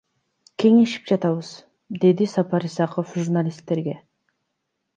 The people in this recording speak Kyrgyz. Кеңешип жатабыз, — деди Сапар Исаков журналисттерге.